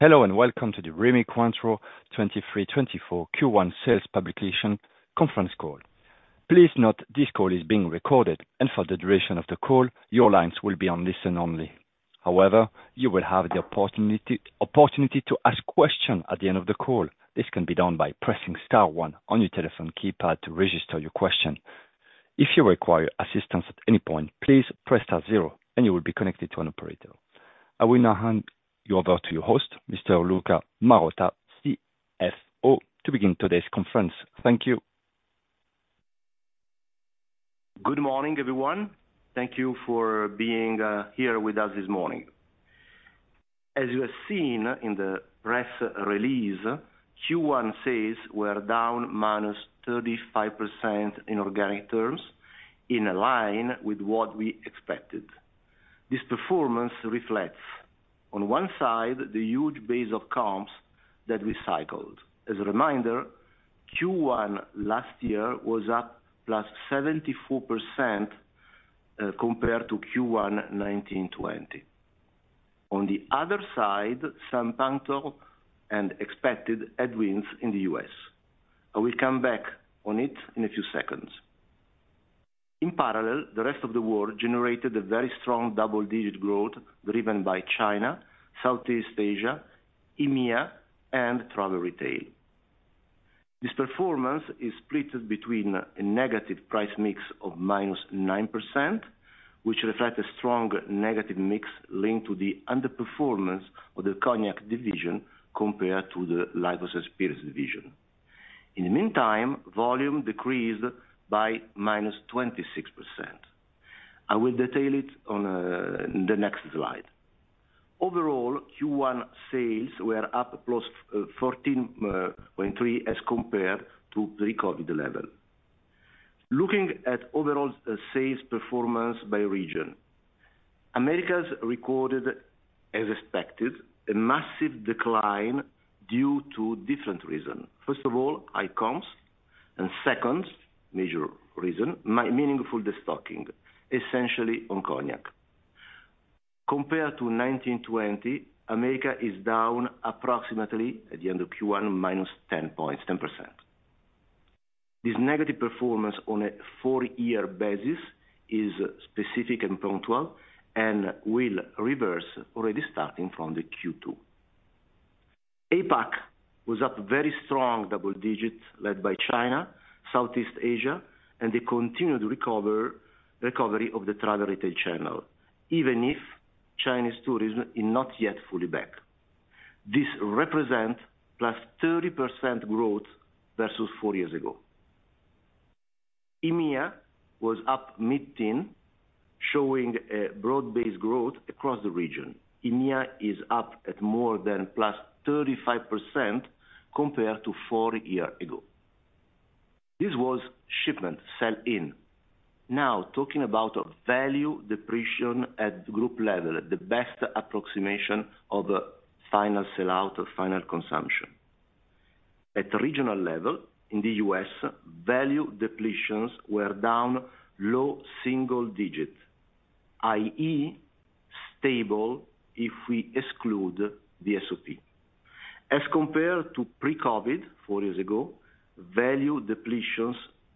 Hello, welcome to the Rémy Cointreau 2023-2024 Q1 sales publication conference call. Please note this call is being recorded, and for the duration of the call, your lines will be on listen only. You will have the opportunity to ask questions at the end of the call. This can be done by pressing star one on your telephone keypad to register your question. If you require assistance at any point, please press star zero, and you will be connected to an operator. I will now hand you over to your host, Mr. Luca Marotta, CFO, to begin today's conference. Thank you. Good morning, everyone. Thank you for being here with us this morning. As you have seen in the press release, Q1 sales were down -35% in organic terms, in line with what we expected. This performance reflects, on one side, the huge base of comps that we cycled. As a reminder, Q1 last year was up +74%, compared to Q1 1920. On the other side, some punctual and expected headwinds in the U.S. I will come back on it in a few seconds. The rest of the world generated a very strong double-digit growth, driven by China, Southeast Asia, EMEA, and travel retail. This performance is splitted between a negative price mix of -9%, which reflect a strong negative mix linked to the underperformance of the cognac division compared to the Liqueurs & Spirits division. In the meantime, volume decreased by -26%. I will detail it on the next slide. Overall, Q1 sales were up +14.3% as compared to pre-COVID level. Looking at overall sales performance by region. Americas recorded, as expected, a massive decline due to different reasons. First of all, high comps, and second major reason, meaningful destocking, essentially on cognac. Compared to 1920, America is down approximately at the end of Q1, -10%. This negative performance on a four-year basis is specific and punctual, will reverse already starting from the Q2. APAC was up very strong double digits, led by China, Southeast Asia, and the continued recovery of the travel retail channel, even if Chinese tourism is not yet fully back. This represent +30% growth versus four years ago. EMEA was up mid-teen, showing a broad-based growth across the region. EMEA is up at more than +35% compared to four years ago. This was shipment sell-in. Now, talking about value depletion at group level, the best approximation of final sellout or final consumption. At the regional level, in the US, value depletions were down low single digits, i.e., stable if we exclude the VSOP. As compared to pre-COVID, 4 years ago, value depletions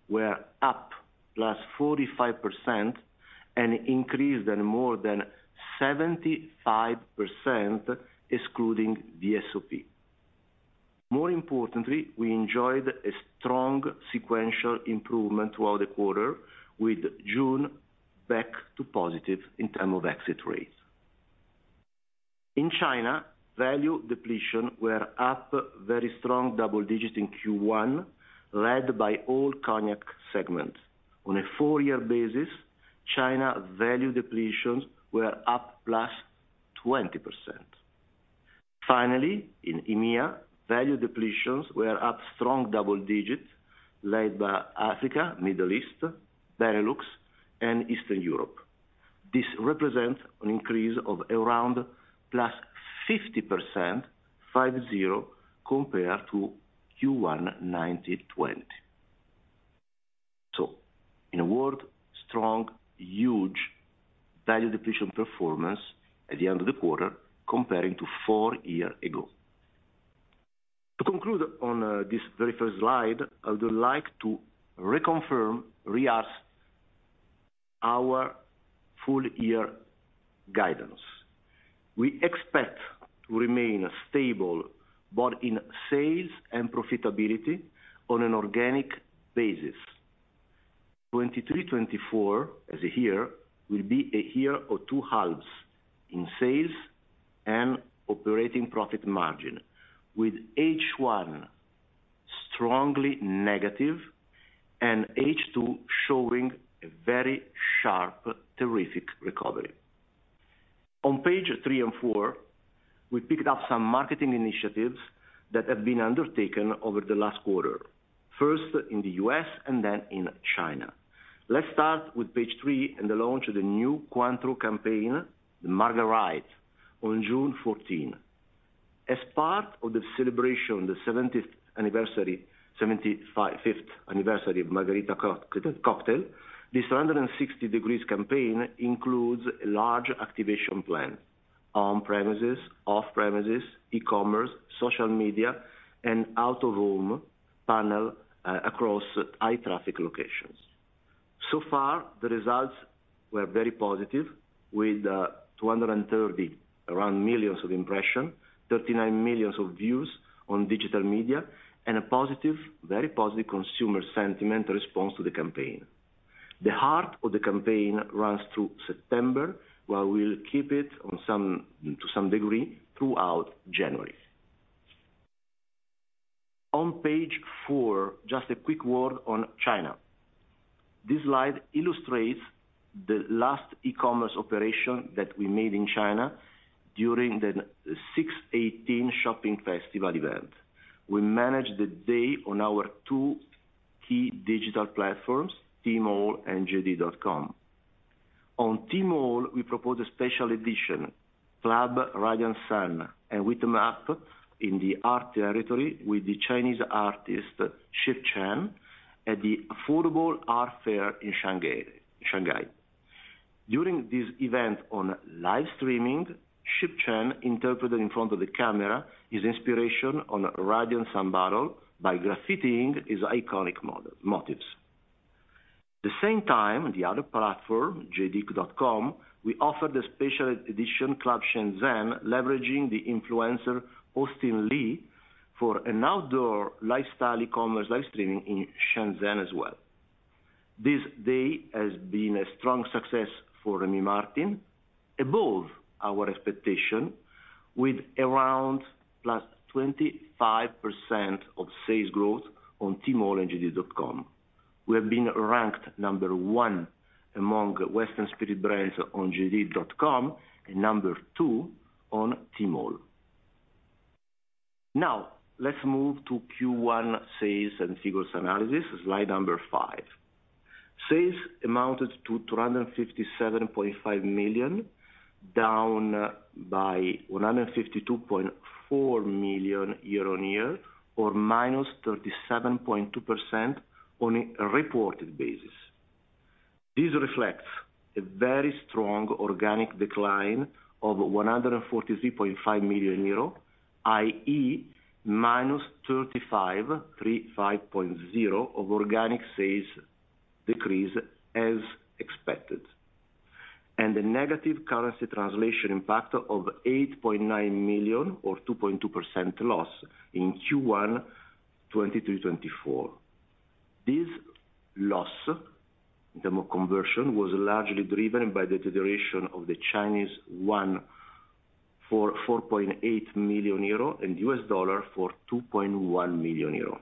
were up +45% and increased at more than 75%, excluding the VSOP. More importantly, we enjoyed a strong sequential improvement throughout the quarter, with June back to positive in terms of exit rates. In China, value depletion were up very strong double digits in Q1, led by all Cognac segments. On a four-year basis, China value depletions were up +20%. Finally, in EMEA, value depletions were up strong double digits, led by Africa, Middle East, Benelux, and Eastern Europe. This represents an increase of around +50%, compared to Q1 2019-2020. In a word, strong, huge value depletion performance at the end of the quarter comparing to four years ago. To conclude on this very first slide, I would like to reconfirm, re-ask our full year guidance. We expect to remain stable, both in sales and profitability on an organic basis. 2023-2024, as a year, will be a year of two halves in sales and operating profit margin, with H1 strongly negative and H2 showing a very sharp, terrific recovery. On page three and four, we picked up some marketing initiatives that have been undertaken over the last quarter, first in the U.S. and then in China. Let's start with page three and the launch of the new Cointreau campaign, the MargaRight, on June 14. As part of the celebration, the 75th anniversary of Margarita cocktail, this 160 degrees campaign includes a large activation plan on premises, off premises, e-commerce, social media, and out of home panel across high traffic locations. Far, the results were very positive, with around 230 million impressions, 39 million views on digital media, and a positive, very positive consumer sentiment response to the campaign. The heart of the campaign runs through September, while we'll keep it on some, to some degree, throughout January. On page four, just a quick word on China. This slide illustrates the last e-commerce operation that we made in China during the 618 Shopping Festival event. We managed the day on our two key digital platforms, Tmall and JD.com. On Tmall, we proposed a special edition, Club Radiant Sun, and with map in the art territory, with the Chinese artist, Sheep Chen, at the Affordable Art Fair in Shanghai. During this event on live streaming, Sheep Chen interpreted in front of the camera, his inspiration on Radiant Sun Barrel by graffitiing his iconic motives. The same time, the other platform, JD.com, we offered a special edition, Club Shenzhen, leveraging the influencer, Austin Li, for an outdoor lifestyle e-commerce live streaming in Shenzhen as well. This day has been a strong success for Rémy Martin, above our expectation, with around +25% of sales growth on Tmall and JD.com. We have been ranked number one among Western Spirit Brands on JD.com and number two on Tmall. Let's move to Q1 sales and figures analysis, slide five. Sales amounted to 357.5 million, down by 152.4 million year-on-year, or -37.2% on a reported basis. This reflects a very strong organic decline of 143.5 million euro, i.e. -35.0% of organic sales decrease as expected, and a negative currency translation impact of 8.9 million or 2.2% loss in Q1 2023-2024. This loss, the conversion, was largely driven by the deterioration of the Chinese yuan for 4.8 million euro and US dollar for 2.1 million euro.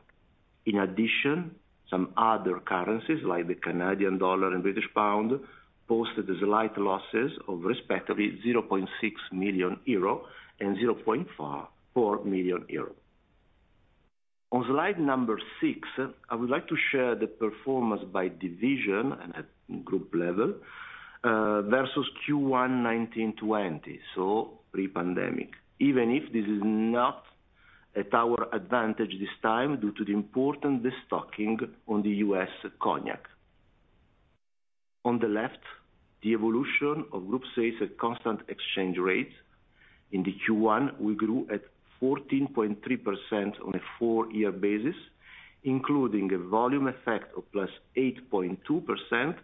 Some other currencies, like the Canadian dollar and British pound, posted the slight losses of respectively 0.6 million euro and 0.44 million euro. On slide six, I would like to share the performance by division and at group level versus Q1 2020, so pre-pandemic. Even if this is not at our advantage this time, due to the important destocking on the US cognac. On the left, the evolution of group sales at constant exchange rate. In the Q1, we grew at 14.3% on a four-year basis, including a volume effect of +8.2%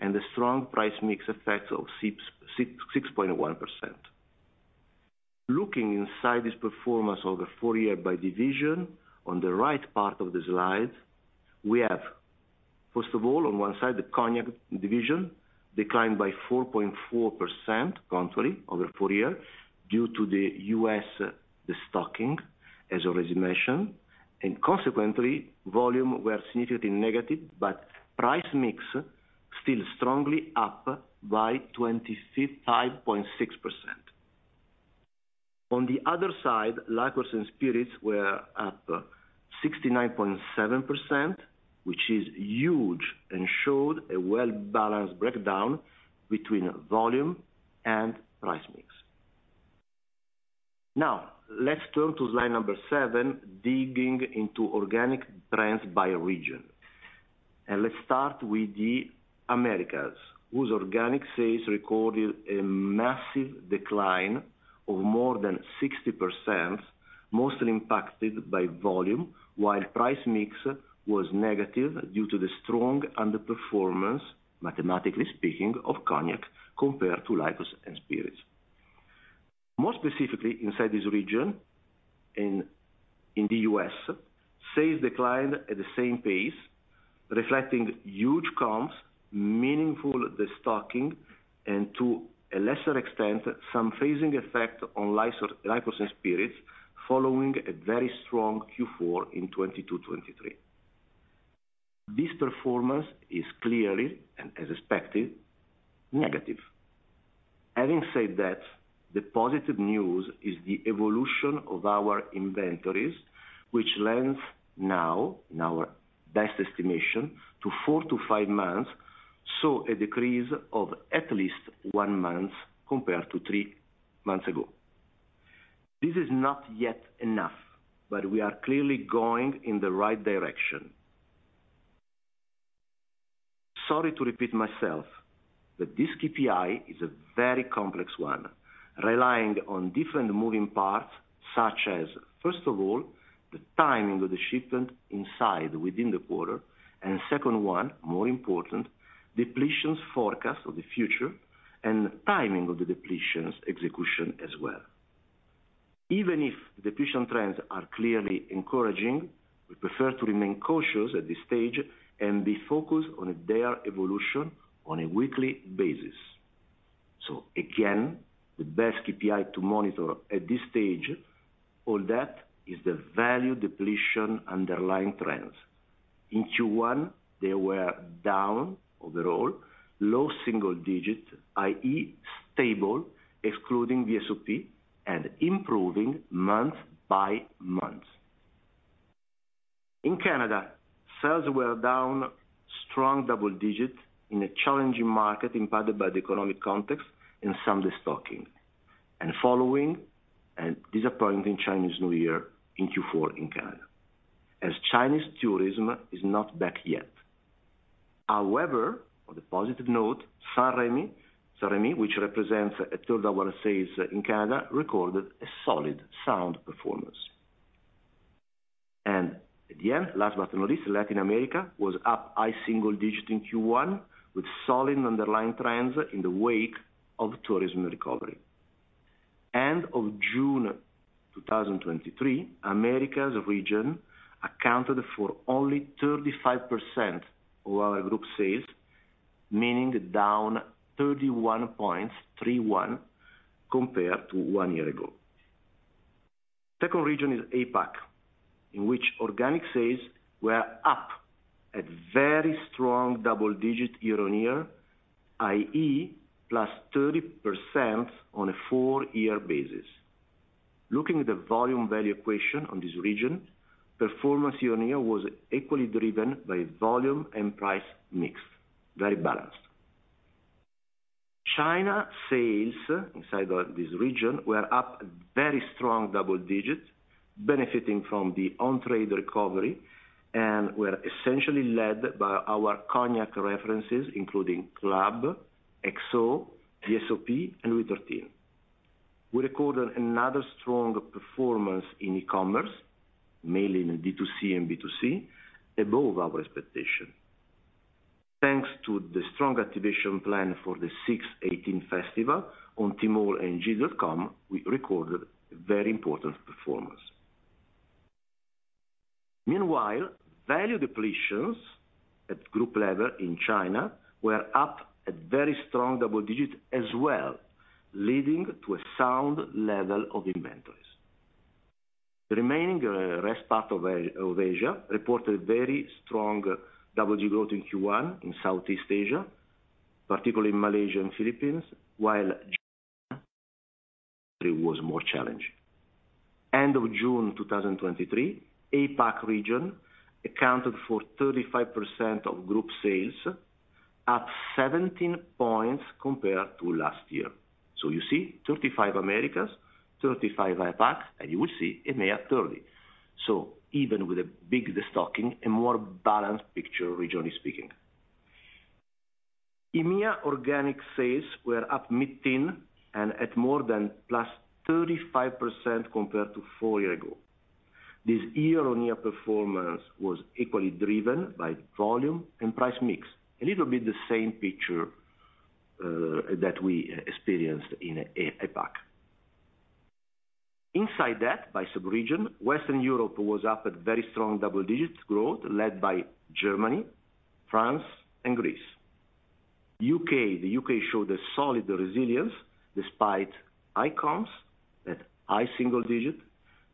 and a strong price mix effect of 6.1%. Looking inside this performance over four year by division, on the right part of the slide, we have, first of all, on one side, the cognac division declined by 4.4% contrary over four years due to the U.S. destocking, as already mentioned, and consequently, volume were significantly negative, but price mix still strongly up by 25.6%. On the other side, Liqueurs & Spirits were up 69.7%, which is huge and showed a well-balanced breakdown between volume and price mix. Let's turn to slide number seven, digging into organic trends by region. Let's start with the Americas, whose organic sales recorded a massive decline of more than 60%, mostly impacted by volume, while price mix was negative due to the strong underperformance, mathematically speaking, of cognac compared to Liqueurs & Spirits. More specifically, inside this region, in the U.S., sales declined at the same pace, reflecting huge comps, meaningful destocking, and to a lesser extent, some phasing effect on Liqueurs & Spirits, following a very strong Q4 in 2022, 2023. This performance is clearly, and as expected, negative. Having said that, the positive news is the evolution of our inventories, which lends now, in our best estimation, to four to five months, saw a decrease of at least 1 month compared to three months ago. This is not yet enough. We are clearly going in the right direction. Sorry to repeat myself, this KPI is a very complex one, relying on different moving parts, such as, first of all, the timing of the shipment inside within the quarter, and second one, more important, depletions forecast of the future and timing of the depletions execution as well. Even if depletion trends are clearly encouraging, we prefer to remain cautious at this stage and be focused on their evolution on a weekly basis. Again, the best KPI to monitor at this stage, all that is the value depletion underlying trends. In Q1, they were down overall, low single digits, i.e., stable, excluding VSOP, and improving month by month. In Canada, sales were down strong double digits in a challenging market impacted by the economic context and some destocking, and following a disappointing Chinese New Year in Q4 in Canada, as Chinese tourism is not back yet. On a positive note, St-Rémy, which represents a third of our sales in Canada, recorded a solid sound performance. At the end, last but not least, Latin America was up high single-digit in Q1, with solid underlying trends in the wake of tourism recovery. End of June 2023, Americas region accounted for only 35% of our group sales, meaning down 31.31 points compared to one year ago. Second region is APAC, in which organic sales were up at very strong double-digit year-on-year, i.e., +30% on a four-year basis. Looking at the volume value equation on this region, performance year-on-year was equally driven by volume and price mix, very balanced. China sales inside of this region were up very strong double digits, benefiting from the on-trade recovery and were essentially led by our cognac references, including CLUB, XO, VSOP, and Louis XIII. We recorded another strong performance in e-commerce, mainly in D2C and B2C, above our expectation. Thanks to the strong activation plan for the 618 Festival on Tmall and JD.com, we recorded a very important performance. Value depletions at group level in China were up at very strong double digits as well, leading to a sound level of inventories. The remaining rest part of Asia reported very strong double growth in Q1 in Southeast Asia, particularly in Malaysia and Philippines, while it was more challenging. End of June 2023, APAC region accounted for 35% of group sales, up 17 points compared to last year. You see, 35 Americas, 35 APAC, and you will see EMEA 30. Even with a big destocking, a more balanced picture, regionally speaking. EMEA organic sales were up mid-teen and at more than +35% compared to 4 year ago. This year-over-year performance was equally driven by volume and price mix. A little bit the same picture that we experienced in APAC. Inside that, by subregion, Western Europe was up at very strong double digits growth, led by Germany, France, and Greece. U.K., the U.K. showed a solid resilience despite icons at high single digit,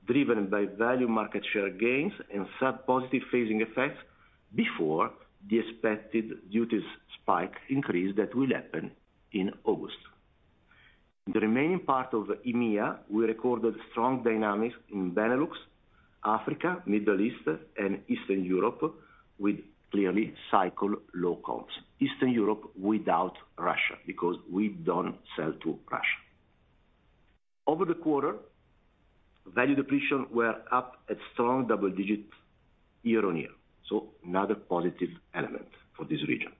driven by value market share gains and sub positive phasing effects before the expected duties spike increase that will happen in August. The remaining part of EMEA, we recorded strong dynamics in Benelux, Africa, Middle East, and Eastern Europe, with clearly cycle low comps. Eastern Europe without Russia, because we don't sell to Russia. Over the quarter, value depletion were up at strong double digits year-on-year, so another positive element for this region.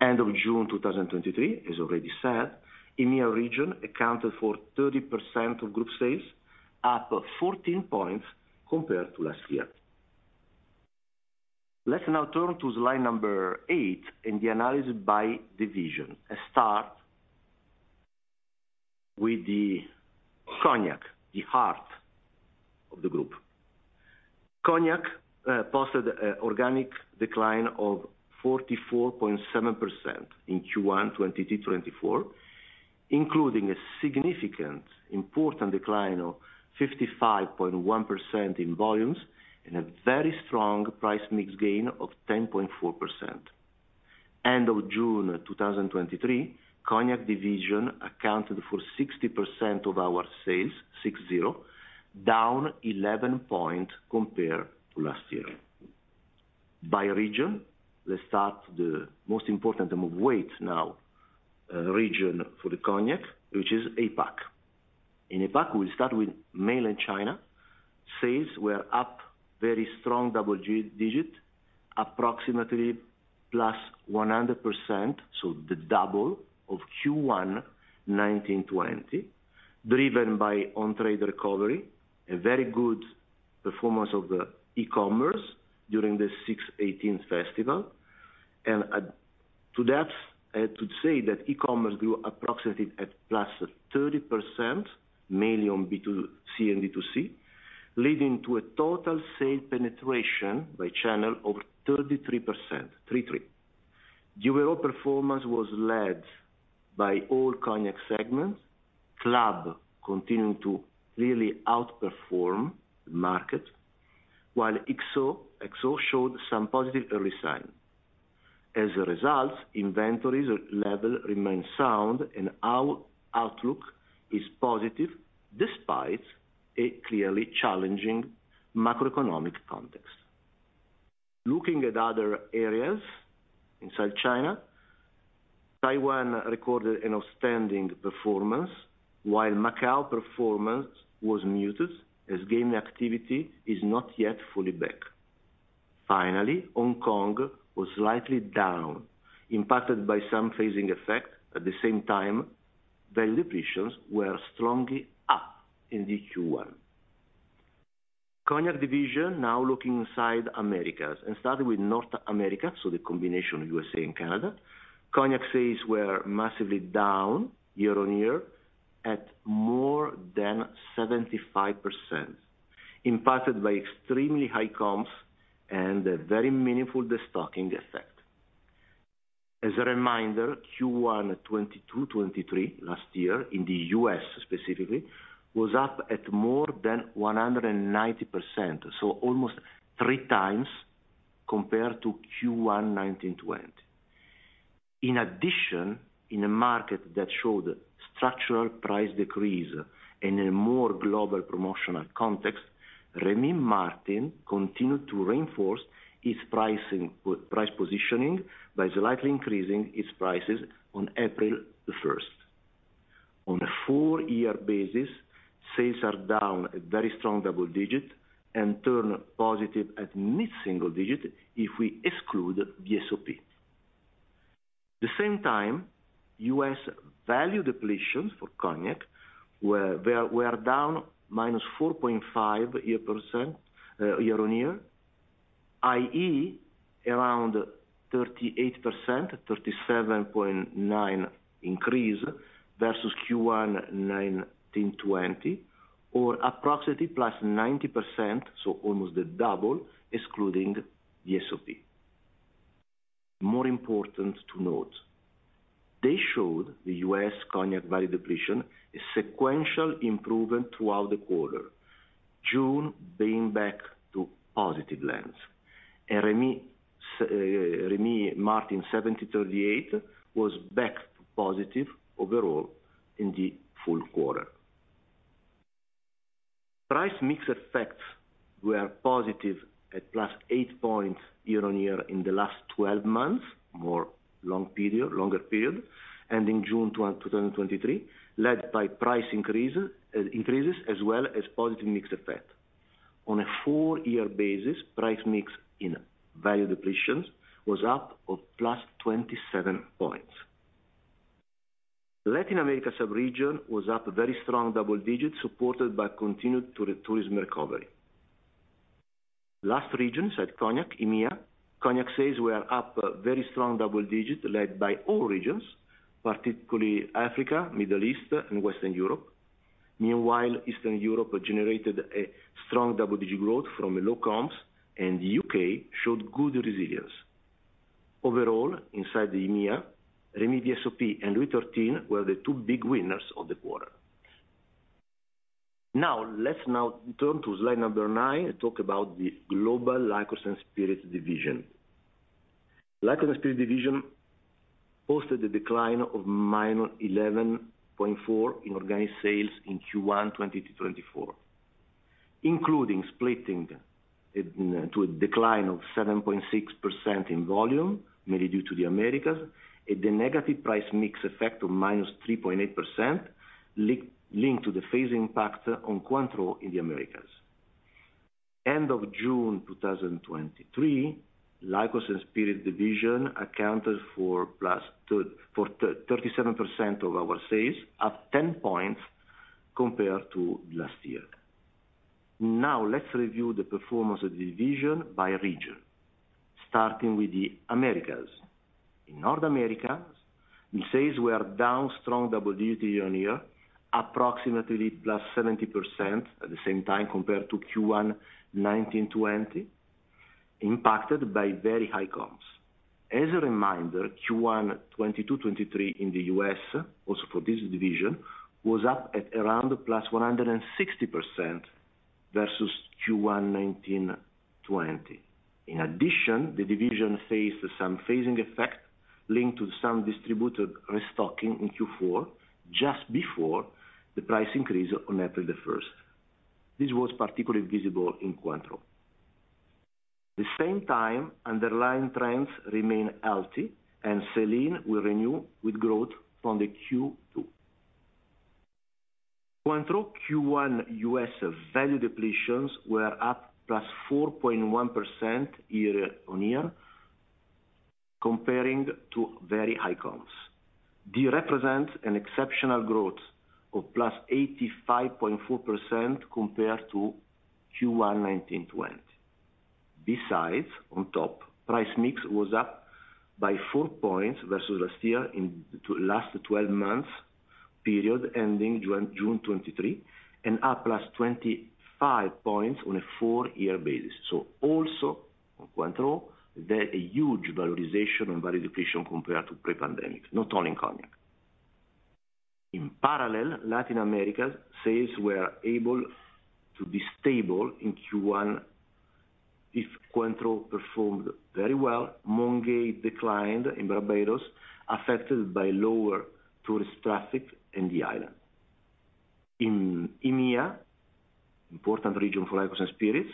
End of June 2023, as already said, EMEA region accounted for 30% of group sales, up 14 points compared to last year. Let's now turn to slide number eight in the analysis by division. Let's start with the Cognac, the heart of the group. Cognac posted a organic decline of 44.7% in Q1 2024, including a significant important decline of 55.1% in volumes and a very strong price mix gain of 10.4%. End of June 2023, Cognac division accounted for 60% of our sales, six zero, down 11 points compared to last year by region. Let's start the most important and weight now, region for the cognac, which is APAC. In APAC, we'll start with Mainland China. Sales were up very strong double digit, approximately +100%, so the double of Q1 2020, driven by on-trade recovery, a very good performance of the e-commerce during the 618 Shopping Festival. To that, I have to say that e-commerce grew approximately at +30%, mainly on B2C and D2C, leading to a total sales penetration by channel of 33%. The overall performance was led by all cognac segments. CLUB continued to really outperform the market, while XO showed some positive early sign. As a result, inventories level remain sound, our outlook is positive, despite a clearly challenging macroeconomic context. Looking at other areas inside China, Taiwan recorded an outstanding performance, while Macau performance was muted, as gaming activity is not yet fully back. Finally, Hong Kong was slightly down, impacted by some phasing effect. At the same time, value positions were strongly up in the Q1. Cognac division, now looking inside Americas and starting with North America, so the combination of USA and Canada. Cognac sales were massively down year-on-year, at more than 75%, impacted by extremely high comps and a very meaningful destocking effect. As a reminder, Q1 2022-2023 last year in the US, specifically, was up at more than 190%, so almost three times compared to Q1 1920. In addition, in a market that showed structural price decrease and a more global promotional context, Rémy Martin continued to reinforce its pricing price positioning by slightly increasing its prices on April 1st. On a four-year basis, sales are down a very strong double digit and turn positive at mid-single-digit if we exclude the VSOP. The same time, US value depletion for cognac were down -4.5% year-on-year, i.e., around 38%, 37.9% increase versus Q1 2019-2020, or approximately +90%, so almost double, excluding the VSOP. More important to note, they showed the US cognac value depletion, a sequential improvement throughout the quarter, June being back to positive lengths. Rémy Martin 1738 was back to positive overall in the full quarter. Price mix effects were positive at +8 points year-on-year in the last 12 months, longer period, and in June 2023, led by price increases as well as positive mix effect. On a four-year basis, price mix in value depletions was up of +27 points. Latin America sub-region was up a very strong double digits, supported by continued tourism recovery. Last region inside cognac, EMEA. Cognac says we are up very strong double digits, led by all regions, particularly Africa, Middle East, and Western Europe. Meanwhile, Eastern Europe generated a strong double-digit growth from low comps, and the UK showed good resilience. Overall, inside the EMEA, Rémy VSOP and Louis XIII were the two big winners of the quarter. Now, let's now turn to slide number 9 and talk about the global Liqueurs & Spirits division. Liqueurs & Spirits division posted a decline of -11.4% in organic sales in Q1 2023-2024, including a decline of 7.6% in volume, mainly due to the Americas, and the negative price mix effect of -3.8%, linked to the phasing impact on Cointreau in the Americas. End of June 2023, Liqueurs & Spirits division accounted for +37% of our sales, up 10 points compared to last year. Let's review the performance of the division by region, starting with the Americas. In North America, the sales were down strong double digits year-on-year, approximately +70% at the same time compared to Q1 2019-2020, impacted by very high comps. As a reminder, Q1 2022-2023 in the U.S., also for this division, was up at around +160% versus Q1 1920. In addition, the division faced some phasing effect linked to some distributed restocking in Q4, just before the price increase on April 1st. This was particularly visible in Cointreau. The same time, underlying trends remain healthy, and sell-in will renew with growth from the Q2. Cointreau Q1 U.S. value depletions were up +4.1% year-on-year, comparing to very high counts. They represent an exceptional growth of +85.4% compared to Q1 1920. Besides, on top, price mix was up by four points versus last year in the last twelve months period, ending June 2023, and up +25 points on a four-year basis. Also, on Cointreau, there a huge valorization and value depletion compared to pre-pandemic, not only in cognac. In parallel, Latin America sales were able to be stable in Q1. If Cointreau performed very well, Mount Gay declined in Barbados, affected by lower tourist traffic in the island. In EMEA, important region for alcohol and spirits,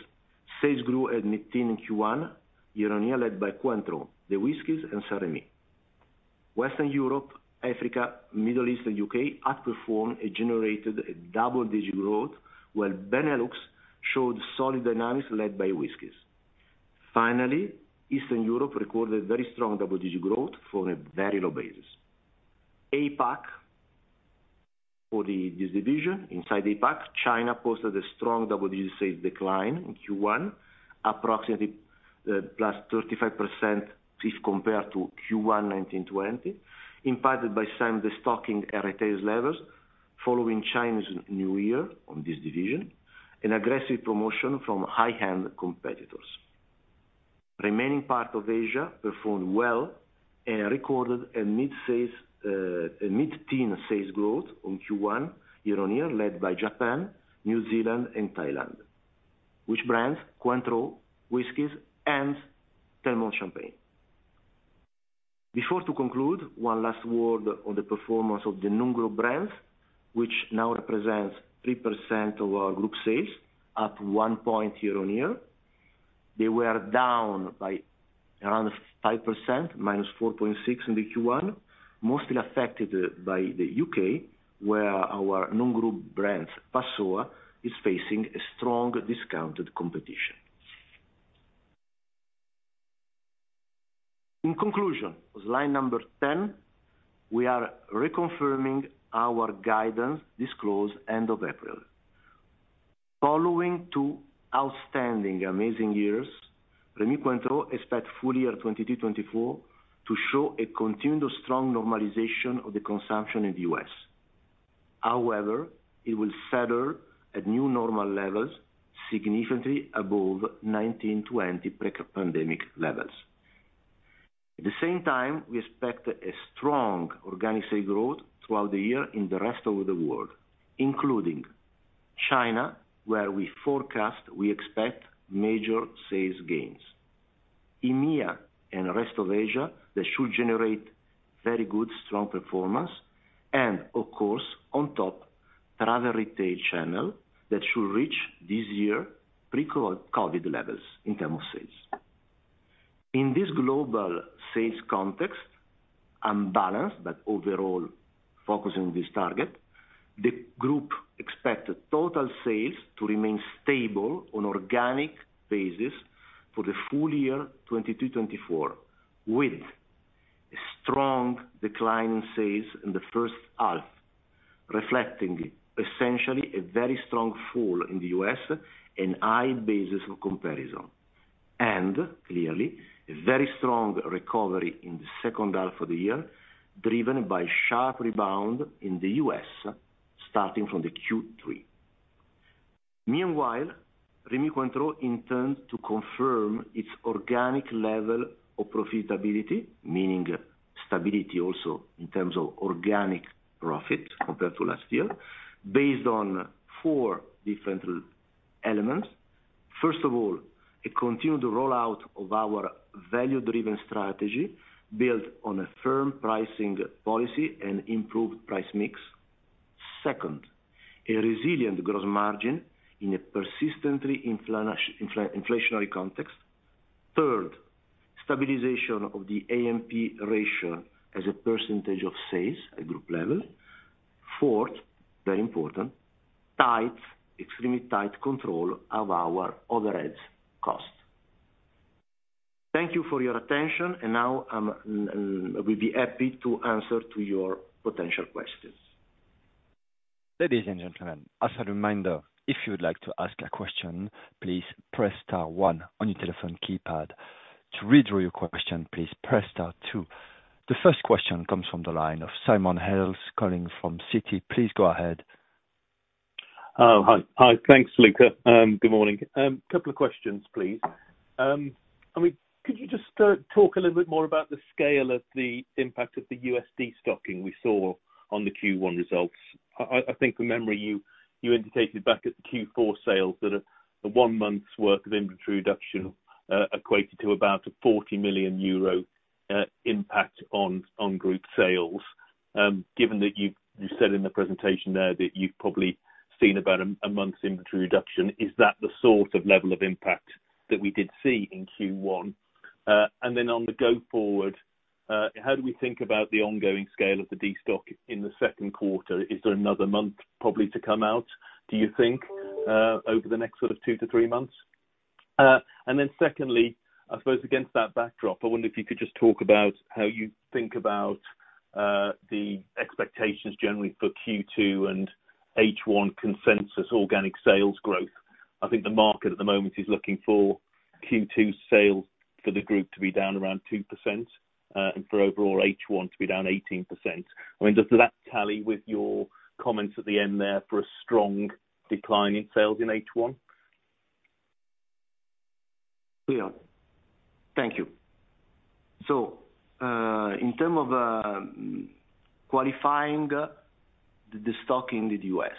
sales grew at 19% in Q1, year-on-year, led by Cointreau, the whiskeys, and Rémy Martin. Western Europe, Africa, Middle East, and UK outperformed and generated a double-digit growth, while Benelux showed solid dynamics led by whiskeys. Finally, Eastern Europe recorded very strong double-digit growth from a very low basis. APAC, for this division, inside APAC, China posted a strong double-digit sales decline in Q1, approximately +35% if compared to Q1 2019-2020, impacted by some destocking at retail levels following Chinese New Year on this division, an aggressive promotion from high-end competitors. Remaining part of Asia performed well and recorded a mid-teen sales growth on Q1, year-on-year, led by Japan, New Zealand, and Thailand. Which brands? Cointreau, whiskeys, and Telmont Champagne. Before to conclude, one last word on the performance of the non-group brands, which now represents 3% of our group sales, up 1 percentage point year-on-year. They were down by around 5%, -4.6% in the Q1, mostly affected by the U.K., where our non-group brand, Passoã, is facing a strong discounted competition. In conclusion, slide number 10, we are reconfirming our guidance disclosed end of April. Following two outstanding, amazing years, Rémy Cointreau expect full year 2024 to show a continued strong normalization of the consumption in the U.S. It will settle at new normal levels significantly above 1920 pre-pandemic levels. At the same time, we expect a strong organic sales growth throughout the year in the rest of the world, including China, where we expect major sales gains. EMEA and the rest of Asia, they should generate very good, strong performance of course, on top, Travel Retail channel, that should reach this year, pre-COVID levels in terms of sales. In this global sales context, unbalanced, but overall focusing on this target, the group expect total sales to remain stable on organic basis for the full year 2022-2024, with a strong decline in sales in the first half, reflecting essentially a very strong fall in the U.S. and high basis of comparison. Clearly, a very strong recovery in the second half of the year, driven by sharp rebound in the U.S., starting from the Q3. Meanwhile, Rémy Cointreau intends to confirm its organic level of profitability, meaning stability also in terms of organic profit compared to last year, based on four different elements. First of all, a continued rollout of our value-driven strategy, built on a firm pricing policy and improved price mix. Second, a resilient gross margin in a persistently inflationary context. Third, stabilization of the A&P ratio as a percentage of sales at group level. Fourth, very important, tight, extremely tight control of our overheads costs. Thank you for your attention, now, we'll be happy to answer to your potential questions. Ladies and gentlemen, as a reminder, if you would like to ask a question, please press star one on your telephone keypad. To withdraw your question, please press star two. The first question comes from the line of Simon Hales, calling from Citi. Please go ahead. Hi. Hi, thanks, Luca. Good morning. Couple of questions, please. I mean, could you just talk a little bit more about the scale of the impact of the USD stocking we saw on the Q1 results? I think from memory, you indicated back at the Q4 sales that the one month's worth of inventory reduction equated to about a 40 million euro impact on group sales. Given that you said in the presentation there that you've probably seen about a month's inventory reduction, is that the sort of level of impact that we did see in Q1? Then on the go forward, how do we think about the ongoing scale of the destock in the second quarter? Is there another month probably to come out, do you think, over the next sort of two to three months? Secondly, I suppose against that backdrop, I wonder if you could just talk about how you think about the expectations generally for Q2 and H1 consensus, organic sales growth. I think the market at the moment is looking for Q2 sales for the group to be down around 2%, and for overall H1 to be down 18%. I mean, does that tally with your comments at the end there for a strong decline in sales in H1? Yeah. Thank you. In terms of qualifying the stock in the US,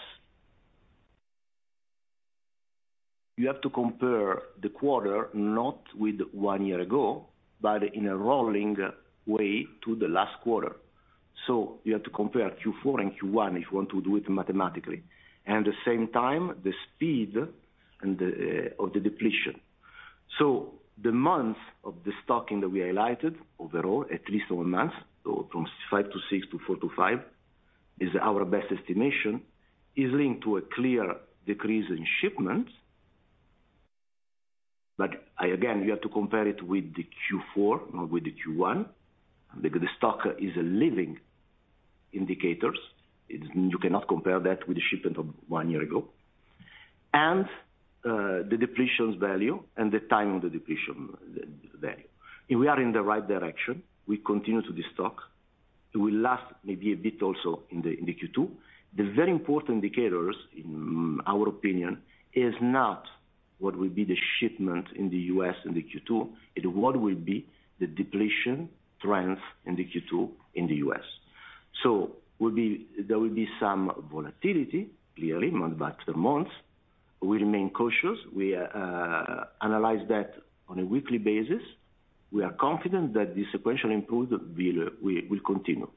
you have to compare the quarter, not with 1 year ago, but in a rolling way to the last quarter. You have to compare Q4 and Q1, if you want to do it mathematically, and at the same time, the speed and of the depletion. The months of the stocking that we highlighted, overall, at least on month, so from five to six to four to five, is our best estimation, is linked to a clear decrease in shipments. Again, you have to compare it with the Q4, not with the Q1, because the stock is a living indicators. You cannot compare that with the shipment of one year ago. The depletions value and the timing of the depletion value. We are in the right direction. We continue to destock. It will last maybe a bit also in the Q2. The very important indicators, in our opinion, is not what will be the shipment in the U.S. in the Q2, it's what will be the depletion trends in the Q2 in the U.S. There will be some volatility, clearly, month by month. We remain cautious. We analyze that on a weekly basis. We are confident that the sequential improvement will continue.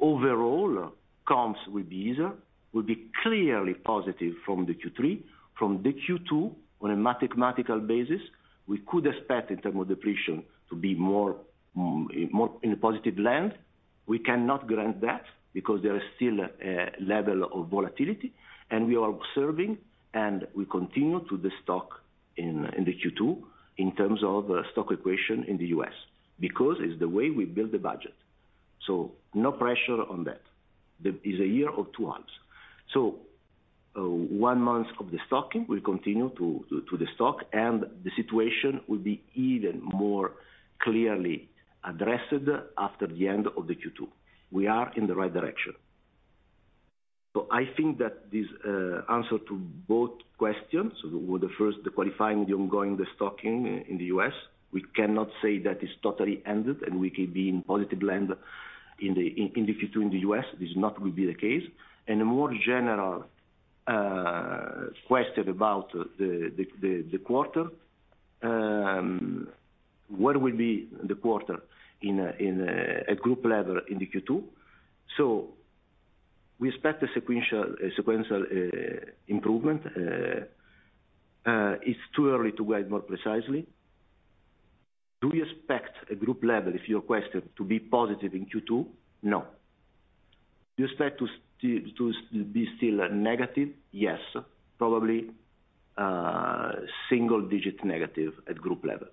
Overall, comps will be easier, will be clearly positive from the Q3. From the Q2, on a mathematical basis, we could expect in terms of depletion to be more, more in a positive length. We cannot grant that because there is still a level of volatility, and we are observing, and we continue to destock in Q2, in terms of stock equation in the US, because it's the way we build the budget. No pressure on that. There is a year or two months. One month of destocking, we continue to destock, and the situation will be even more clearly addressed after the end of Q2. We are in the right direction. I think that this answer to both questions, with the first, the qualifying, the ongoing, the stocking in the US, we cannot say that it's totally ended, and we could be in positive length in the Q2 in the US. This not will be the case. A more general question about the quarter, what will be the quarter at group level in the Q2? We expect a sequential improvement. It's too early to guide more precisely. Do we expect a group level, if you question, to be positive in Q2? No. Do you expect to be still negative? Yes, probably, single digit negative at group level.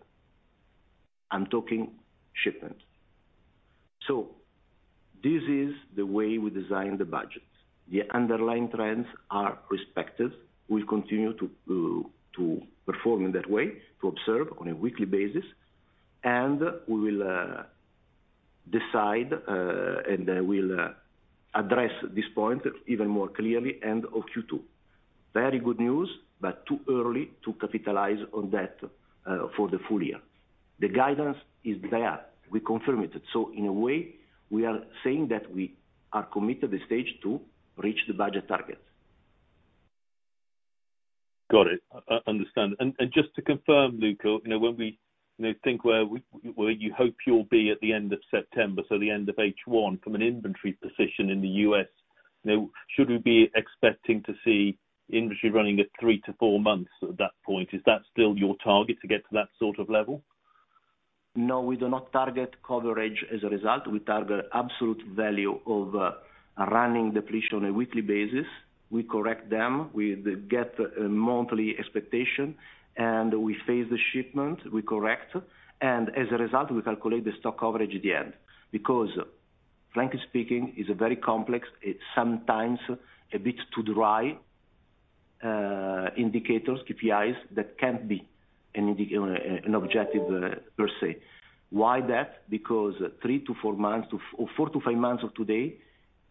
I'm talking shipments. This is the way we design the budgets. The underlying trends are respective. We continue to perform in that way, to observe on a weekly basis, we will decide and we'll address this point even more clearly end of Q2. Very good news, too early to capitalize on that for the full year. The guidance is there, we confirm it. In a way, we are saying that we are committed the stage to reach the budget targets. Got it. Understand. Just to confirm, Luca, you know, when we, you know, think where you hope you'll be at the end of September, so the end of H1, from an inventory position in the U.S., you know, should we be expecting to see inventory running at three to four months at that point? Is that still your target, to get to that sort of level? We do not target coverage as a result. We target absolute value of running depletion on a weekly basis. We correct them, we get a monthly expectation, and we phase the shipment, we correct, and as a result, we calculate the stock coverage at the end. Frankly speaking, it's a very complex, it's sometimes a bit too dry indicators, KPIs, that can't be an objective per se. Why that? Because three to four months, or four to five months of today,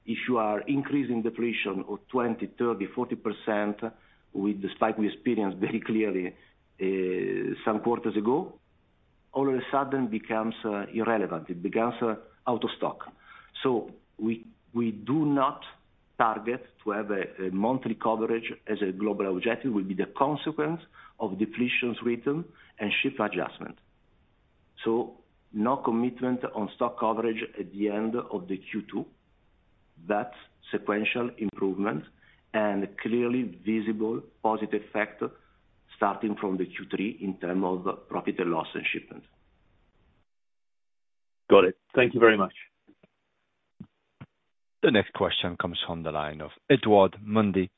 if you are increasing depletion of 20%, 30%, 40%, with despite we experienced very clearly some quarters ago, all of a sudden becomes irrelevant. It becomes out of stock. We do not target to have a monthly coverage as a global objective, will be the consequence of depletions return and ship adjustment. No commitment on stock coverage at the end of the Q2. That's sequential improvement and clearly visible positive effect starting from the Q3 in terms of profit and loss and shipment. Got it. Thank you very much. The next question comes from the line of Edward Mundy.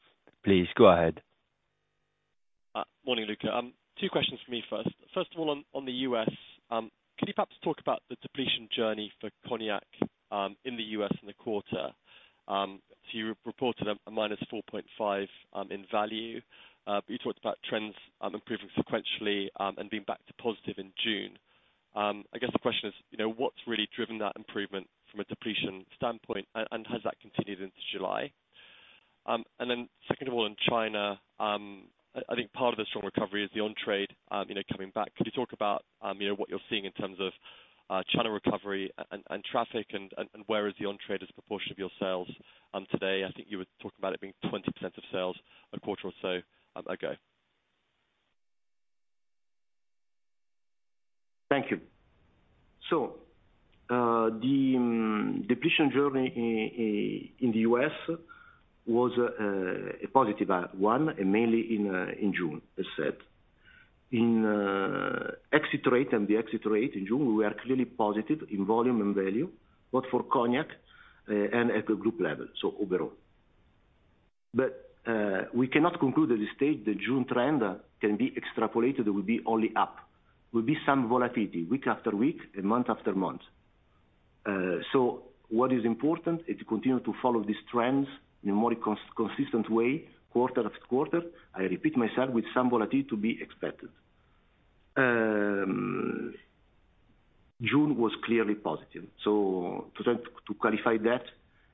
Please go ahead. Morning, Luca. Two questions for me first. First of all, on the U.S., could you perhaps talk about the depletion journey for cognac in the U.S. and the quarter? You reported -4.5% in value. You talked about trends improving sequentially and being back to positive in June. I guess the question is, you know, what's really driven that improvement from a depletion standpoint, and has that continued into July? Second of all, in China, I think part of the strong recovery is the on trade, you know, coming back. Could you talk about, you know, what you're seeing in terms of China recovery and traffic and where is the on trade as a proportion of your sales today? I think you were talking about it being 20% of sales a quarter or so, ago. Depletion journey in the U.S. was a positive one, and mainly in June, as said. In exit rate, in the exit rate in June, we are clearly positive in volume and value, both for cognac and at the group level, so overall. But we cannot conclude at this stage the June trend can be extrapolated, it will be only up. There will be some volatility, week after week and month after month. What is important is to continue to follow these trends in a more consistent way, quarter after quarter. I repeat myself, with some volatility to be expected. June was clearly positive. To try to qualify that,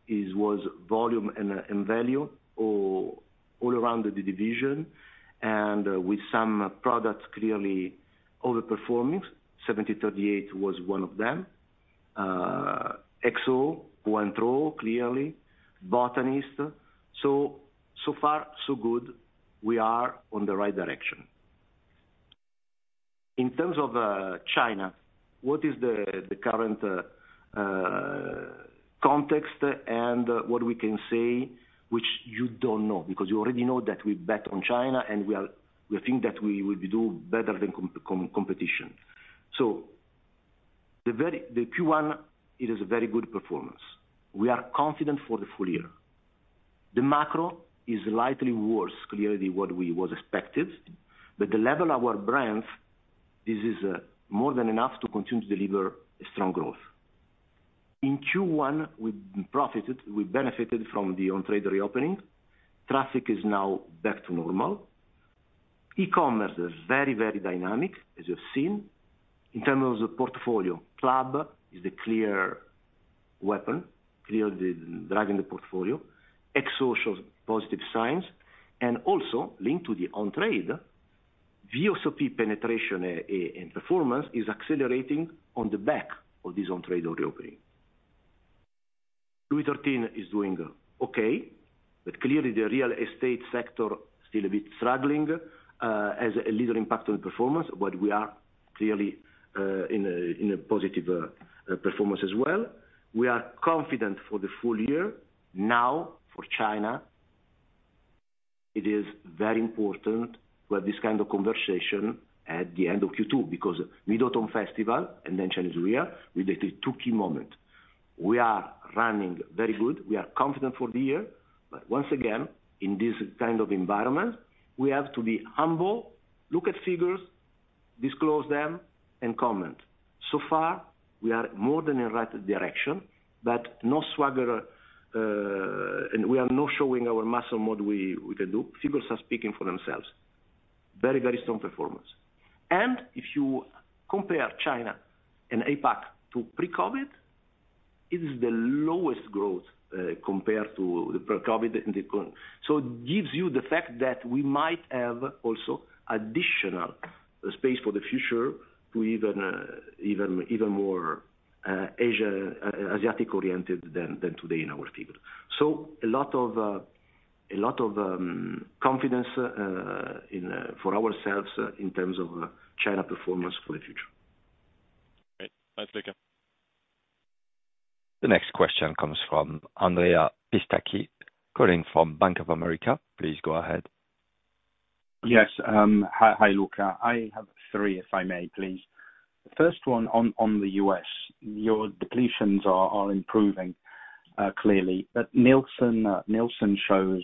it was volume and value all around the division, and with some products clearly overperforming. 1738 was one of them. XO, Cointreau, clearly, Botanist. So far so good, we are on the right direction. In terms of China, what is the current context and what we can say, which you don't know, because you already know that we bet on China and we think that we will be doing better than competition. The Q1, it is a very good performance. We are confident for the full year. The macro is slightly worse, clearly what we was expected, but the level our brands, this is more than enough to continue to deliver a strong growth. In Q1, we profited, we benefited from the on-trade reopening. Traffic is now back to normal. E-commerce is very, very dynamic, as you've seen. In terms of the portfolio, CLUB is the clear weapon, clearly driving the portfolio. XO, positive signs, also linked to the on-trade, VSOP penetration and performance is accelerating on the back of this on-trade reopening. Louis XIII is doing okay, clearly the real estate sector still a bit struggling, as a little impact on performance, we are clearly in a positive performance as well. We are confident for the full year. For China, it is very important to have this kind of conversation at the end of Q2, because Mid-Autumn Festival and then Chinese New Year with the two key moment. We are running very good. We are confident for the year, once again, in this kind of environment, we have to be humble, look at figures, disclose them and comment. Far, we are more than in right direction, but no swagger, and we are not showing our muscle, what we can do. Figures are speaking for themselves. Very, very strong performance. If you compare China and APAC to pre-COVID, it is the lowest growth, compared to the pre-COVID in the current. It gives you the fact that we might have also additional space for the future to even more Asia Asiatic-oriented than today in our figure. A lot of confidence for ourselves in terms of China performance for the future. Great. Thanks, Luca. The next question comes from Andrea Pistacchi, calling from Bank of America. Please go ahead. Yes, hi, Luca. I have three, if I may, please. First one on the U.S. Your depletions are improving, clearly, but Nielsen shows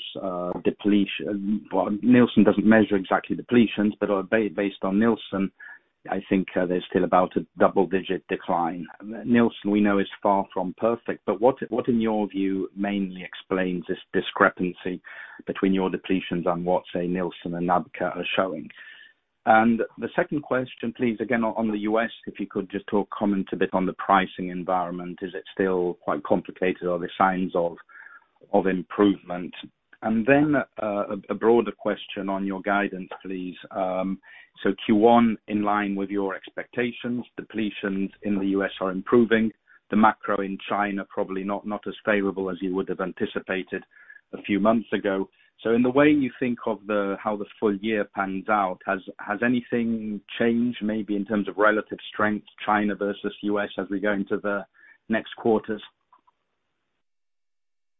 depletion. Well, Nielsen doesn't measure exactly depletions, but based on Nielsen, I think, there's still about a double-digit decline. Nielsen we know is far from perfect, but what in your view mainly explains this discrepancy between your depletions and what, say, Nielsen and NABCA are showing? The second question, please, again, on the U.S., if you could just talk, comment a bit on the pricing environment. Is it still quite complicated or the signs of improvement? Then, a broader question on your guidance, please. Q1, in line with your expectations, depletions in the U.S. are improving. The macro in China, probably not as favorable as you would have anticipated a few months ago. In the way you think of the, how the full year pans out, has anything changed, maybe in terms of relative strength, China versus US, as we go into the next quarters?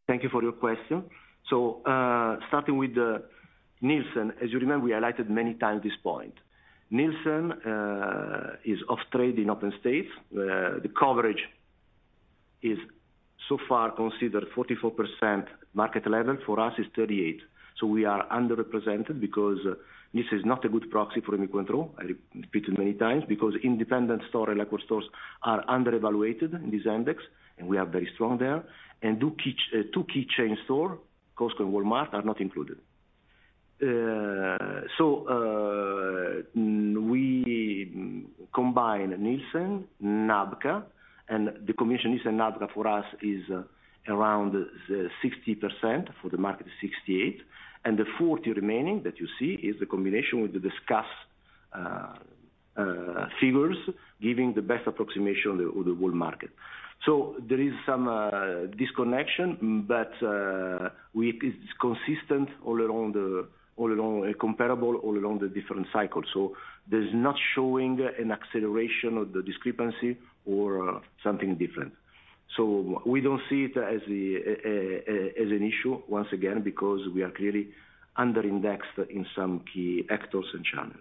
Thank you for your question. Starting with the Nielsen, as you remember, we highlighted many times this point. Nielsen is off trade in open states. The coverage is so far considered 44% market level. For us, it's 38. We are underrepresented because this is not a good proxy for control. I repeat it many times, because independent store, liquid stores are under-evaluated in this index, and we are very strong there. Two key chain store, Costco and Walmart, are not included. We combine Nielsen, NABCA, and the commission Nielsen NABCA for us is around 60%, for the market, 68%. The 40% remaining that you see is the combination with the discuss figures, giving the best approximation of the whole market. There is some disconnection, but it's consistent all along, comparable all along the different cycles. There's not showing an acceleration of the discrepancy or something different. We don't see it as an issue, once again, because we are clearly under-indexed in some key actors and channel.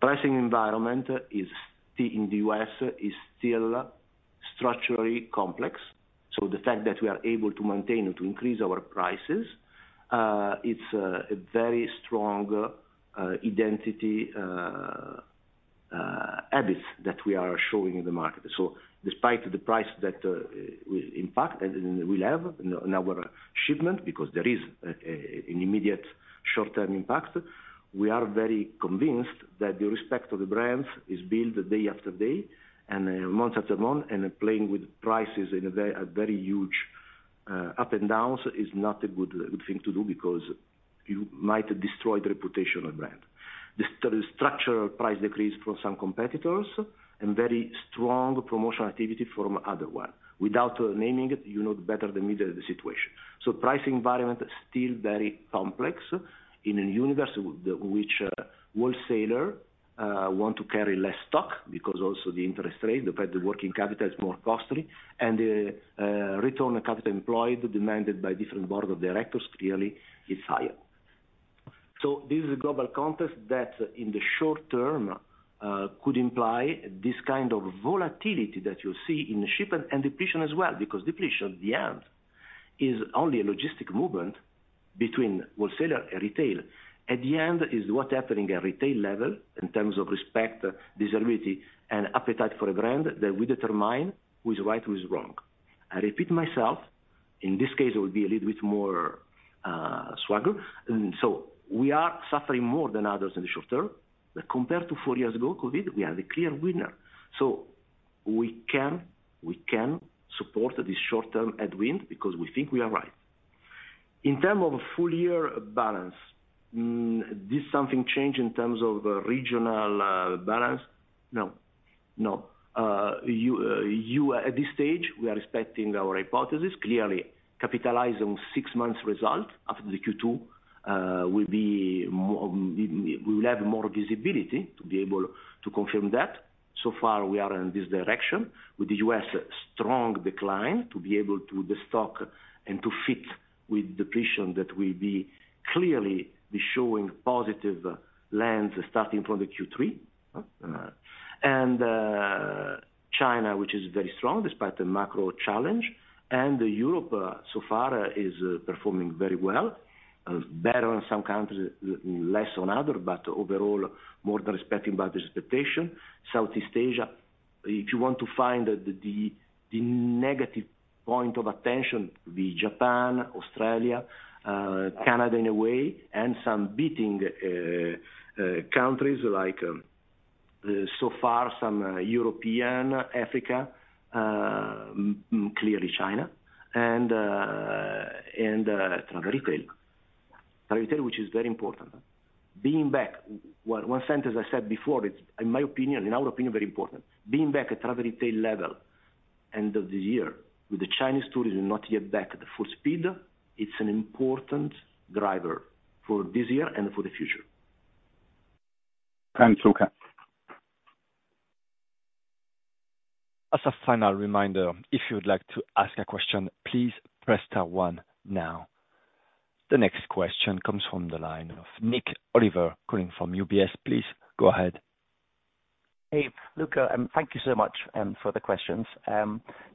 Pricing environment is, in the U.S., is still structurally complex. The fact that we are able to maintain or to increase our prices, it's a very strong identity, habits that we are showing in the market. Despite the price that will impact, and will have in our shipment, because there is an immediate short-term impact, we are very convinced that the respect of the brands is built day after day and month after month, and playing with prices in a very, a very huge, up and down is not a good thing to do because you might destroy the reputational brand. The structural price decrease from some competitors and very strong promotional activity from other one. Without naming it, you know better than me the situation. Pricing environment is still very complex in a universe which wholesaler want to carry less stock, because also the interest rate, the working capital is more costly, and the return on capital employed, demanded by different board of directors, clearly is higher. This is a global context that in the short term, could imply this kind of volatility that you see in the shipment and depletion as well, because depletion at the end is only a logistic movement between wholesaler and retailer. At the end is what's happening at retail level in terms of respect, visibility, and appetite for a brand that we determine who is right, who is wrong. I repeat myself. In this case, it will be a little bit more, swagger. We are suffering more than others in the short term, but compared to four years ago, COVID, we are the clear winner. We can support this short term headwind because we think we are right. In terms of full year balance, did something change in terms of regional balance? No, no. You at this stage, we are respecting our hypothesis, clearly capitalizing six months result after the Q2, will be more, we will have more visibility to be able to confirm that. Far, we are in this direction, with the U.S. strong decline, to be able to restock and to fit with depletion that will be clearly be showing positive lands starting from the Q3. China, which is very strong despite the macro challenge, and Europe, so far is performing very well, better in some countries, less on other, but overall, more than respecting by the expectation. Southeast Asia, if you want to find the negative point of attention, the Japan, Australia, Canada in a way, and some beating countries like so far, some European, Africa, clearly China, and travel retail. Travel retail, which is very important. Being back, one sentence I said before, it's in my opinion, in our opinion, very important. Being back at travel retail level, end of the year, with the Chinese tourism not yet back at the full speed, it's an important driver for this year and for the future. Thanks, Luca. As a final reminder, if you would like to ask a question, please press star one now. The next question comes from the line of Nik Oliver, calling from UBS. Please go ahead. Hey, Luca, thank you so much for the questions.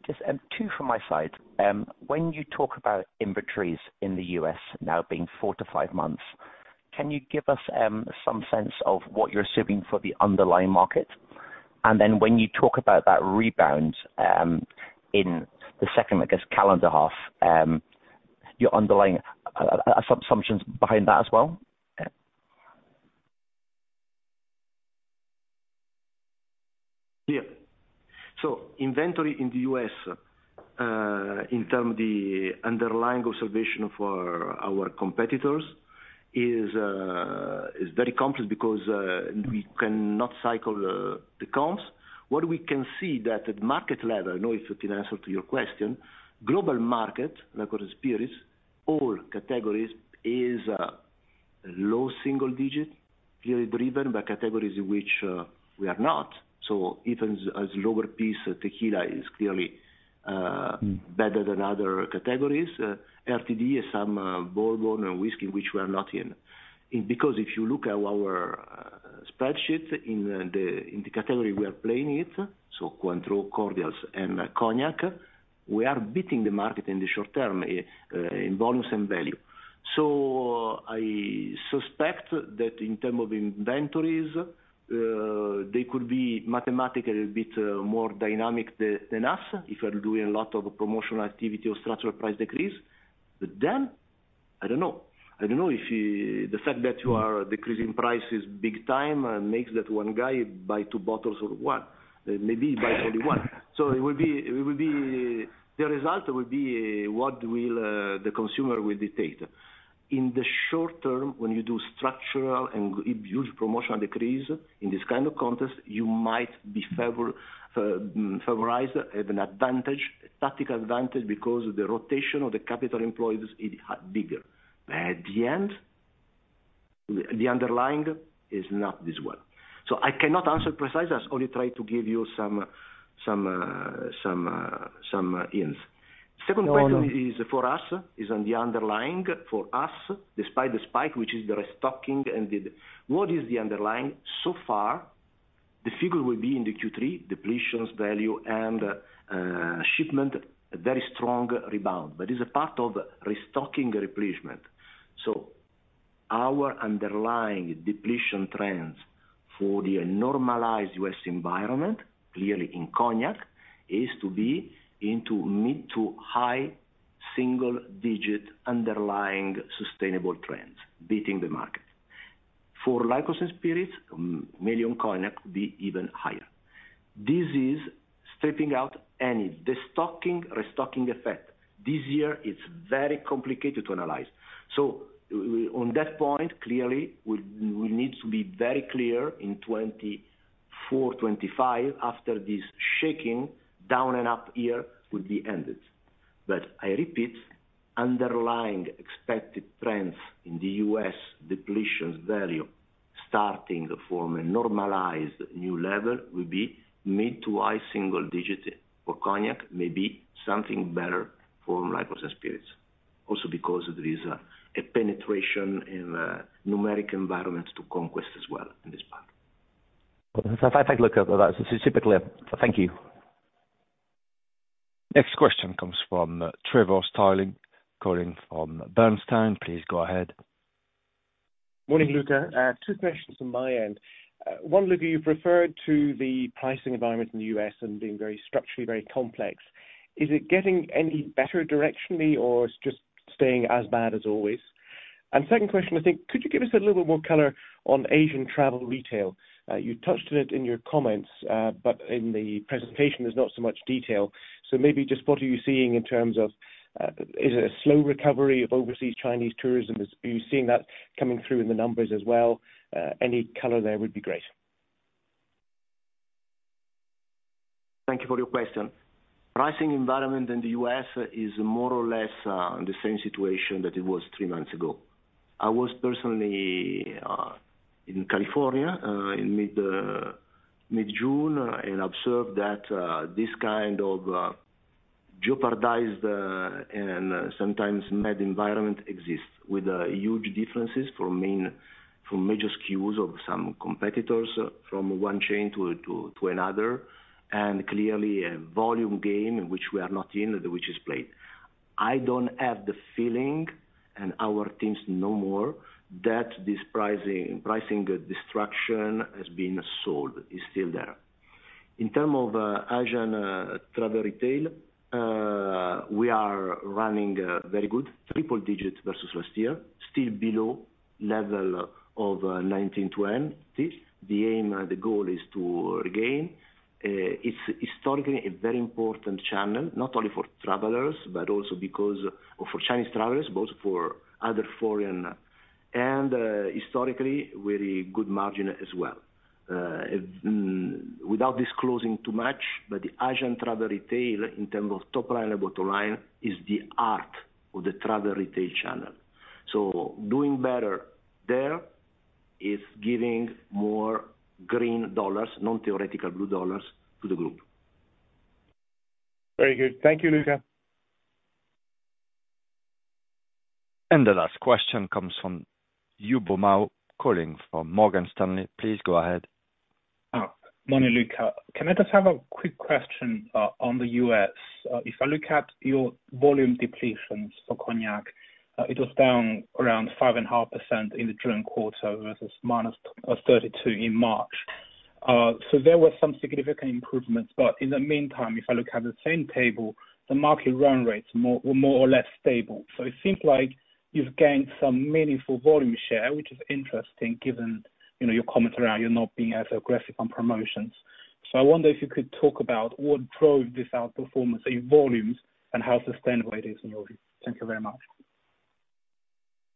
Just two from my side. When you talk about inventories in the U.S. now being four to five months, can you give us some sense of what you're assuming for the underlying market? When you talk about that rebound, in the second, I guess, calendar half, your underlying assumptions behind that as well? Yeah. Inventory in term the underlying observation for our competitors is very complex because we cannot cycle the comps. What we can see that at market level, I know if it can answer to your question, global market, like with spirits, all categories, is low single digit, clearly driven by categories in which we are not. Even as lower piece, Tequila is clearly better than other categories. RTD is some bourbon and whiskey, which we are not in. If you look at our spreadsheets in the category, we are playing it, so Cointreau, Cordials, and Cognac, we are beating the market in the short term in volumes and value. I suspect that in terms of inventories, they could be mathematically a bit more dynamic than us, if we are doing a lot of promotional activity or structural price decrees. I don't know. I don't know if the fact that you are decreasing prices big time, makes that one guy buy two bottles or one. Maybe he buy only one. It will be- The result will be what the consumer will dictate. In the short term, when you do structural and huge promotional decrees, in this kind of context, you might be favorized, have an advantage, tactical advantage, because the rotation of the capital employees is bigger. At the end, the underlying is not this well. I cannot answer precisely. I only try to give you some ins. Second question is for us, is on the underlying. For us, despite the spike, which is the restocking. What is the underlying? Far, the figure will be in the Q3, depletions, value, and shipment, a very strong rebound, but it's a part of restocking replenishment. Our underlying depletion trends for the normalized U.S. environment, clearly in cognac, is to be into mid to high single-digit underlying sustainable trends, beating the market. For liquor and spirits, million cognac be even higher. This is stripping out any destocking, restocking effect. This year, it's very complicated to analyze. On that point, clearly, we need to be very clear in 2024-2025, after this shaking down and up year will be ended. I repeat, underlying expected trends in the US depletions value, starting from a normalized new level, will be mid to high single digit. For cognac, maybe something better for liquor and spirits. Because there is a penetration in numeric environment to conquest as well in this part. Well, if I take a look at that, specifically. Thank you. Next question comes from Trevor Stirling, calling from Bernstein. Please go ahead. Morning, Luca. Two questions on my end. One, Luca, you've referred to the pricing environment in the U.S. and being very structurally very complex. Is it getting any better directionally or it's just staying as bad as always? Second question, could you give us a little bit more color on Asian travel retail? You touched on it in your comments, but in the presentation, there's not so much detail. Maybe just what are you seeing in terms of, is it a slow recovery of overseas Chinese tourism? Are you seeing that coming through in the numbers as well? Any color there would be great. Thank you for your question. Pricing environment in the U.S. is more or less the same situation that it was three months ago. I was personally in California in mid-June, and observed that this kind of jeopardized and sometimes mad environment exists, with huge differences from major SKUs of some competitors, from one chain to another, and clearly a volume game in which we are not in, which is played. I don't have the feeling, and our teams know more, that this pricing destruction has been sold, it's still there. In term of Asian travel retail, we are running very good, triple digits versus last year, still below level of 1920. The aim, the goal is to regain. It's historically a very important channel, not only for travelers, but also. For Chinese travelers, both for other foreign, and historically, very good margin as well. Without disclosing too much, but the Asian travel retail, in terms of top line and bottom line, is the art of the travel retail channel. Doing better there is giving more green dollars, non-theoretical blue dollars, to the group. Very good. Thank you, Luca. The last question comes from Yubo Mao, calling from Morgan Stanley. Please go ahead. Morning, Luca. Can I just have a quick question on the U.S.? If I look at your volume depletions for cognac, it was down around 5.5% in the current quarter versus -32% in March. There were some significant improvements, but in the meantime, if I look at the same table, the market run rates were more or less stable. It seems like you've gained some meaningful volume share, which is interesting, given, you know, your comments around you're not being as aggressive on promotions. I wonder if you could talk about what drove this outperformance in volumes and how sustainable it is in your view. Thank you very much.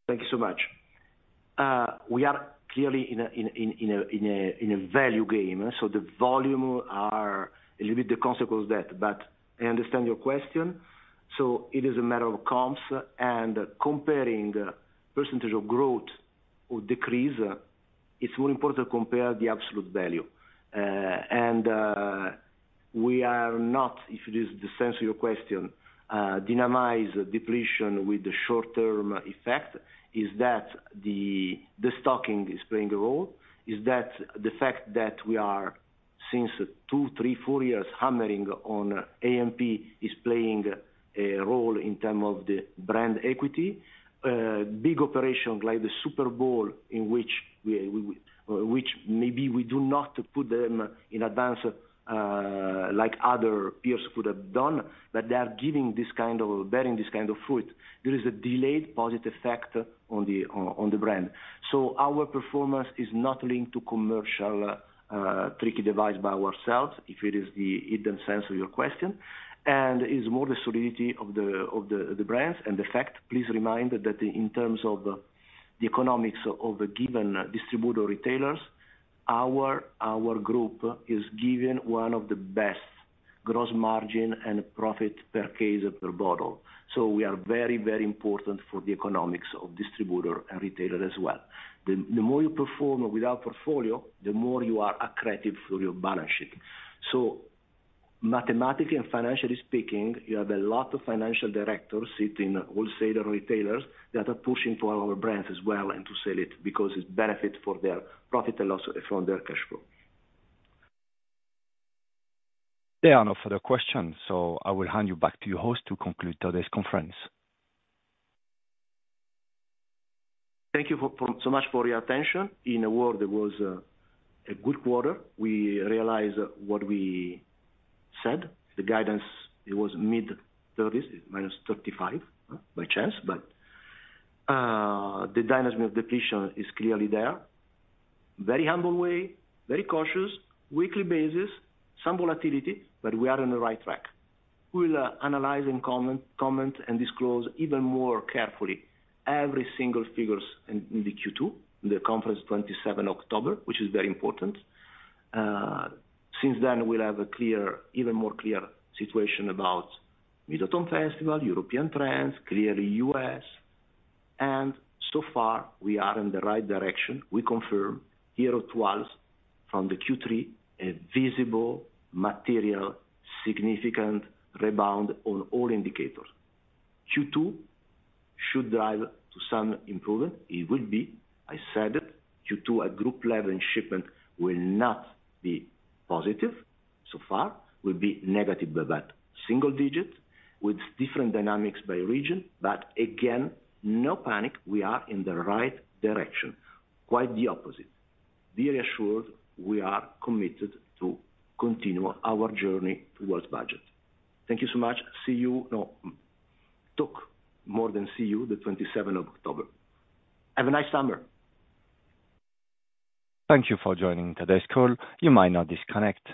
Thank you so much. We are clearly in a value game, so the volume are a little bit the consequence of that. I understand your question. It is a matter of comps, and comparing the percentage of growth or decrease, it's more important to compare the absolute value. And we are not, if it is the sense of your question, dynamize depletion with the short-term effect, is that the stocking is playing a role, is that the fact that we are since two, three, four years hammering on A&P is playing a role in term of the brand equity. Big operations like the Super Bowl, in which we, which maybe we do not put them in advance, like other peers could have done, but they are giving this kind of bearing this kind of fruit. There is a delayed positive effect on the brand. Our performance is not linked to commercial tricky device by ourselves, if it is the hidden sense of your question, and is more the solidity of the brands. The fact, please remind that in terms of the economics of a given distributor or retailers, our Group is given one of the best gross margin and profit per case, per bottle. We are very, very important for the economics of distributor and retailer as well. The more you perform with our portfolio, the more you are accretive for your balance sheet. Mathematically and financially speaking, you have a lot of financial directors sitting, wholesaler, retailers, that are pushing for our brands as well, and to sell it because it's benefit for their profit and loss from their cash flow. There are no further questions, so I will hand you back to your host to conclude today's conference. Thank you so much for your attention. In a word, it was a good quarter. We realized what we said, the guidance, it was mid-30s, -35% by chance, but the dynamics of depletion is clearly there. Very humble way, very cautious, weekly basis, some volatility, but we are on the right track. We'll analyze and comment and disclose even more carefully every single figures in the Q2, in the conference 27 October, which is very important. Since then, we'll have a clear, even more clear situation about mid-Autumn Festival, European trends, clearly U.S. So far, we are in the right direction. We confirm here it was from the Q3, a visible, material, significant rebound on all indicators. Q2 should drive to some improvement. It will be, I said, Q2, a Group level in shipment will not be positive so far, will be negative, but single digits with different dynamics by region. Again, no panic. We are in the right direction. Quite the opposite. Be reassured, we are committed to continue our journey towards budget. Thank you so much. See you. No, talk more than see you the 27th of October. Have a nice summer! Thank you for joining today's call. You may now disconnect.